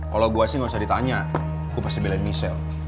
kalau gue sih gak usah ditanya gue pasti belain michelle